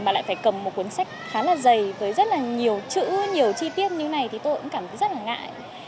mà lại phải cầm một cuốn sách khá là dày với rất là nhiều chữ nhiều chi tiết như này thì tôi cũng cảm thấy rất là ngại